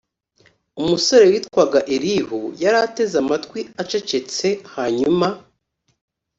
Umusore witwaga Elihu yari ateze amatwi acecetse Hanyuma